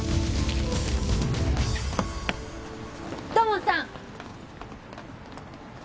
土門さん！